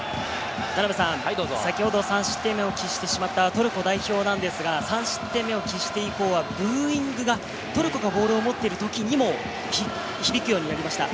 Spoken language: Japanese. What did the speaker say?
先ほど３失点目を喫してしまったトルコ代表ですが、３失点目を喫して以降はブーイングがトルコがボールを持っているときにも響くようになりました。